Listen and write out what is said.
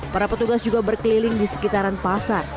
para petugas juga berkeliling di sekitaran pasar